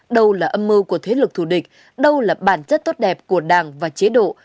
đâu là âm mưu của thế lực thù địch đâu là bản chất tốt đẹp của đảng và chế độ